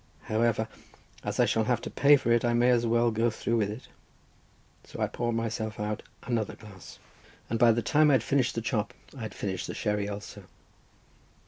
"However, as I shall have to pay for it I may as well go through with it." So I poured myself out another glass, and by the time I had finished the chop I had finished the sherry also.